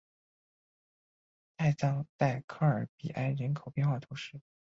泰藏代科尔比埃人口变化图示